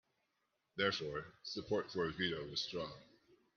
Therefore, support for a veto was strong.